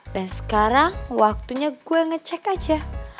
dan sekarang waktunya gue ngecek aja